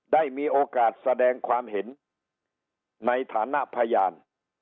ได้มีโอกาสแสดงความเห็นในฐานะพยาน